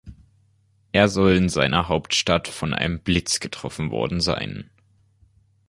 Er soll in seiner Hauptstadt von einem Blitz getroffen worden sein.